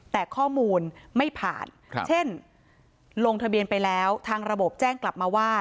แต่ข้อมูลไม่ผ่านเช่นลงทะเบียนไปแล้วทางระบบแจ้งกลับมาว่า